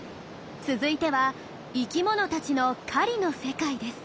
続いては生きものたちの狩りの世界です。